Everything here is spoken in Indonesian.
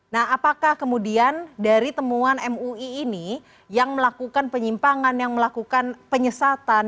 nah apakah kemudian dari temuan mui ini yang melakukan penyimpangan yang melakukan penyesatan